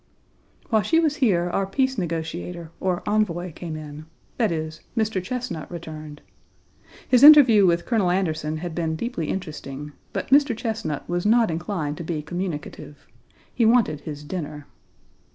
While she was here our peace negotiator, or envoy, came in that is, Mr. Chesnut returned. His interview with Colonel Anderson had been deeply interesting, but Mr. Chesnut was not inclined to be communicative. He wanted his dinner.